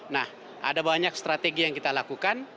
nah ada banyak strategi yang kita lakukan